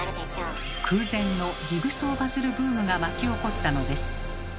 空前のジグソーパズルブームが巻き起こったのです。